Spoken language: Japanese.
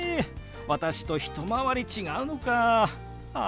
私と一回り違うのかあ。